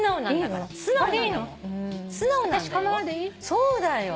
そうだよ。